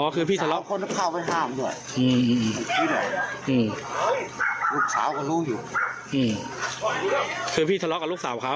เขาทำงานสละลอกกับลูกสาวเขา